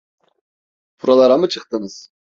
Buralara mı çıktınız?